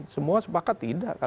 semua sepakat tidak